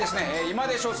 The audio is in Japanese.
『今でしょ』